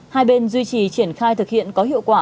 hai bên duy trì triển khai thực hiện có hiệu quả